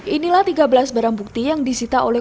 inilah tiga belas barang bukti yang disita oleh